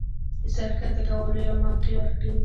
د سر ښکته کولو يوه موقع ورکړي